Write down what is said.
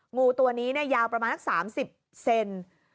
งูตัวนี้ยาวประมาณ๓๐เซนติเซน